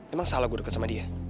emang salah gue dekat sama dia